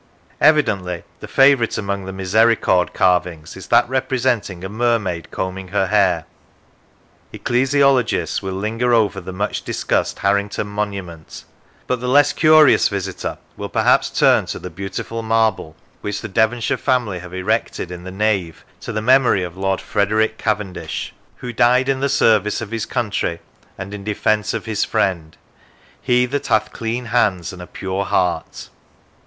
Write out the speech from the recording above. Evidently the favourite among the misericord carvings is that representing a mermaid combing her hair. Ecclesiologists will linger over the much discussed Harrington monument, but the less curious visitor will perhaps turn to the beautiful 165 ' Lancashire marble which the Devonshire family have erected in the nave to the memory of Lord Frederick Cavendish, " who died in the service of his country and in defence of his friend ... he that hath clean hands and a pure heart."